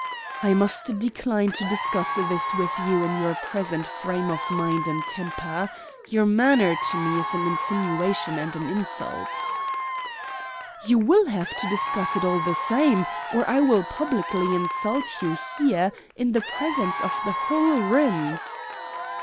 "I must decline to discuss this with you in your present frame of mind and temper. Your manner to me is an insinuation and an insult." "You will have to discuss it all the same, or I will publicly insult you here, in the presence of the whole room."